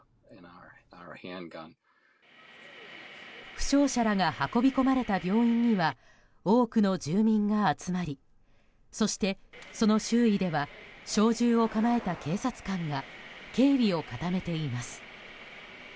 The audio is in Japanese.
負傷者らが運び込まれた病院には多くの住民が集まりそして、その周囲では小銃を構えた警察官が警備を固めています。